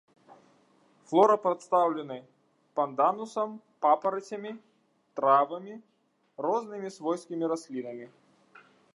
Флора прадстаўлены панданусам, папарацямі, травамі, рознымі свойскімі раслінамі.